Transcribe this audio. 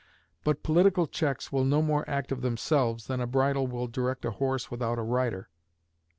But political checks will no more act of themselves than a bridle will direct a horse without a rider.